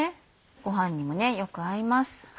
ご飯にもよく合います。